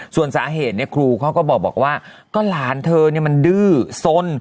ส่วนสาเหตุครูเขาก็บอกว่าก็หลานเธอมันดื้อสน